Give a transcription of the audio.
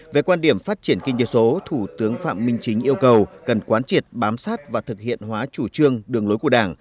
về quan điểm phát triển kinh tế số thủ tướng phạm minh chính yêu cầu cần quán triệt bám sát và thực hiện hóa chủ trương đường lối của đảng